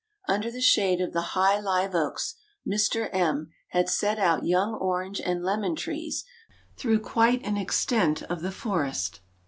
Under the shade of the high live oaks Mr. M had set out young orange and lemon trees through quite an extent of the forest.